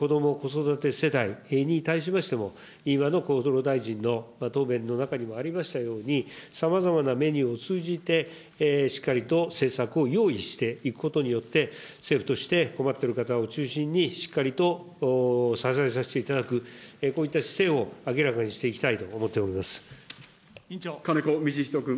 子ども子育て世帯に対しましても、今の厚労大臣の答弁の中にもありましたように、さまざまなメニューを通じて、しっかりと政策を用意していくことによって、政府として困っている方を中心にしっかりと支えさせていただく、こういった姿勢を明らかにしていきたい金子道仁君。